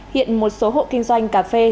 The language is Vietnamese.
hiện một số hộ kinh doanh cà phê